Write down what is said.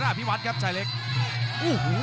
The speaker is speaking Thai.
และอัพพิวัตรสอสมนึก